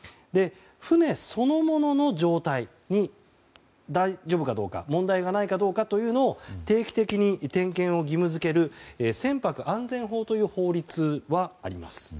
船そのものの状態が大丈夫かどうか問題がないかどうかを定期的に点検を義務付ける船舶安全法という法律はあります。